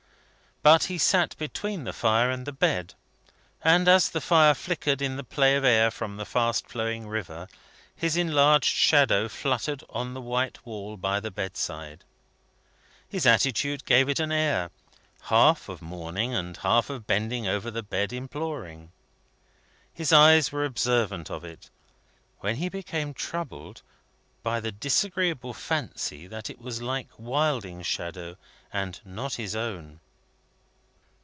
But he sat between the fire and the bed, and, as the fire flickered in the play of air from the fast flowing river, his enlarged shadow fluttered on the white wall by the bedside. His attitude gave it an air, half of mourning and half of bending over the bed imploring. His eyes were observant of it, when he became troubled by the disagreeable fancy that it was like Wilding's shadow, and not his own.